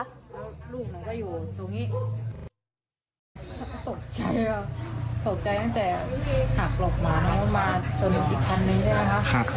ตกใจครับตกใจตั้งแต่หักหลบหมอน้องมาจนอีกคำนี้นะคะ